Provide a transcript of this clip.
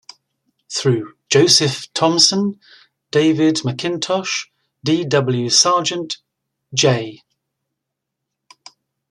Through Joseph Thomson, David McIntosh, D. W. Sargent, J.